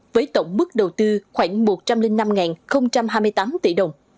với tổng mức đầu tư khoảng một trăm linh năm hai mươi tám tỷ đồng